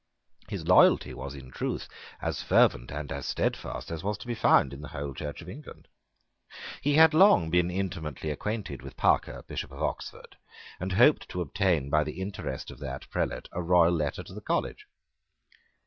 His loyalty was in truth as fervent and as steadfast as was to be found in the whole Church of England. He had long been intimately acquainted with Parker, Bishop of Oxford, and hoped to obtain by the interest of that prelate a royal letter to the college.